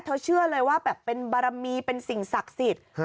เชื่อเลยว่าแบบเป็นบารมีเป็นสิ่งศักดิ์สิทธิ์